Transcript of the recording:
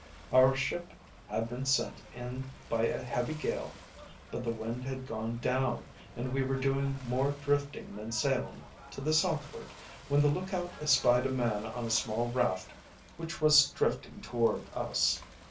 "Our ship had been sent in by a heavy gale but the wind had gone down, and we were doing more drifting than sailing to the southward when the lookout espied a man on a small raft which was drifting toward us.